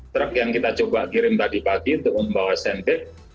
truk yang kita coba kirim tadi pagi untuk membawa sandrage